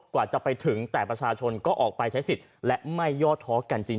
กว่าจะไปถึงแต่ประชาชนก็ออกไปใช้สิทธิ์และไม่ยอดท้อกันจริง